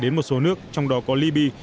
đến một số nước trong đó có libby